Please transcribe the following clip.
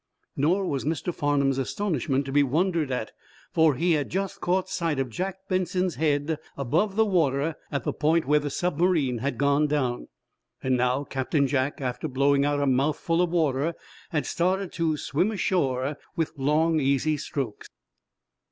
Nor was Mr. Farnum's astonishment to be wondered at, for he had just caught sight of Jack Benson's head, above the water at the point where the submarine had gone down. And now, Captain Jack, after blowing out a mouthful of water, had started to swim ashore with long, easy strokes.